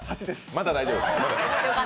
まだ大丈夫です。